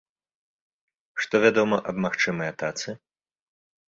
Што вядома аб магчымай атацы?